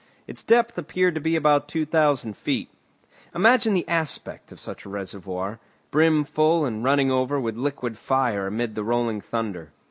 Its depth appeared to be about two thousand feet. Imagine the aspect of such a reservoir, brim full and running over with liquid fire amid the rolling thunder.